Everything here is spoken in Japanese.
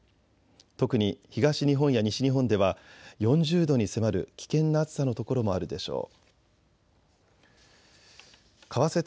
特に東日本や西日本では４０度に迫る危険な暑さの所もあるでしょう。